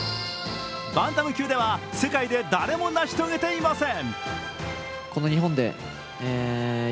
バンタム級では、世界で誰も成し遂げていません。